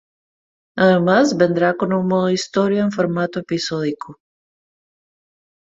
Además, vendrá con un modo historia en formato episódico.